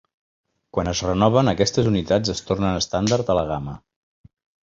Quan es renoven, aquestes unitats es tornen estàndard a la gama.